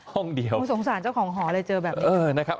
ค่ะผมสงสารเจ้าของหอเลยเจอแบบนี้